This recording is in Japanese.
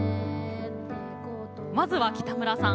まずは北村さん。